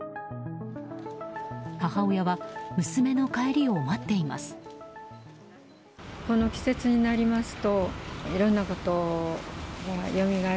母親は娘の帰りを待っています。